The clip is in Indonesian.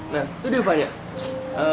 nah itu dia vanya